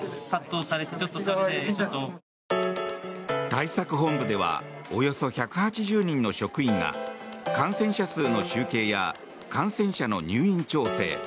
対策本部ではおよそ１８０人の職員が感染者数の集計や感染者の入院調整